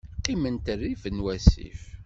Qqiment rrif n wasif.